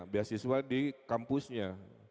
beasiswa di kampusnya